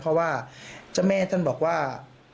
เพราะว่าเจ้าแม่ท่านบอกว่า